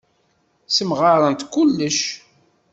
Ssemɣarent kullec.